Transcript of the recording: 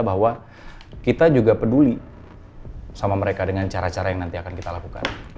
bahwa kita juga peduli sama mereka dengan cara cara yang nanti akan kita lakukan